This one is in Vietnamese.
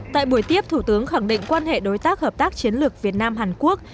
tại buổi tiếp thủ tướng khẳng định quan hệ đối tác hợp tác chiến lược việt nam hàn quốc